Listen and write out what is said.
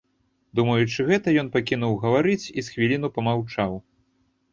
Думаючы гэта, ён пакінуў гаварыць і з хвіліну памаўчаў.